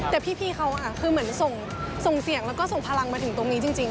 แต่พี่เขาคือเหมือนส่งเสียงแล้วก็ส่งพลังมาถึงตรงนี้จริง